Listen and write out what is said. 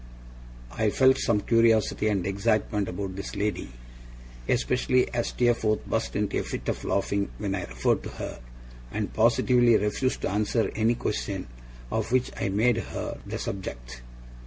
I felt some curiosity and excitement about this lady, especially as Steerforth burst into a fit of laughing when I referred to her, and positively refused to answer any question of which I made her the subject.